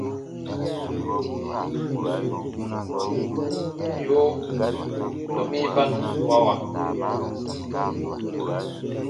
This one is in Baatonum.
Yoo, domi ba nùn dwawa.